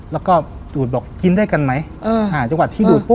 แล้วก็ดูดบอกกินได้กันไหม